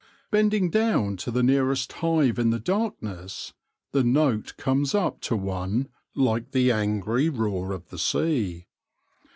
Bending down to the nearest hive in the darkness, the note comes up to one like the angry roar of the sea.